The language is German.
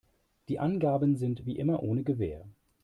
Die Angaben sind wie immer ohne Gewähr.